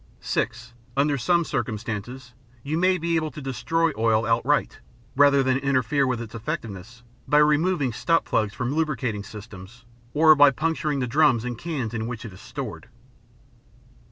(6) Under some circumstances, you may be able to destroy oil outright rather than interfere with its effectiveness, by removing stop plugs from lubricating systems or by puncturing the drums and cans in which it is stored.